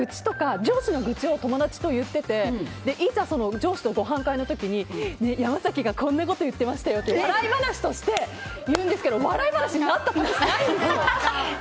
上司の愚痴を友達と言っていていざ、上司とごはん会の時に山崎がこんなこと言っていましたよって笑い話として言うんですけど笑い話になった試しないんですよ。